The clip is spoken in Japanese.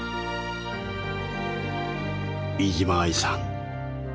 飯島愛さん